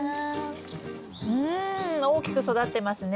うん大きく育ってますね。